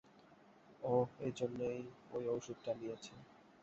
ওহ, এজন্যই ওই ওষুধটা নিয়েছে।